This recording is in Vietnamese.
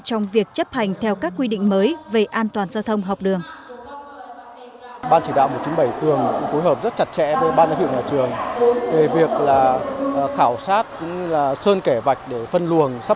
trong việc chấp hành theo các quy định mới về an toàn giao thông học đường